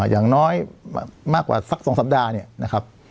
อย่างน้อยมากกว่าสัก๒สัปดาห์เนี่ยนะครับ